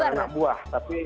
bukan bukan anak buah